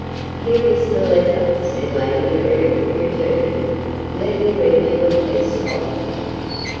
"Here is the letter," said Lady Muriel, returning. "Let me read you a piece of it."